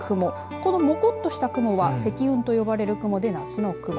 こののこっとした雲は積雲という雲で夏の雲。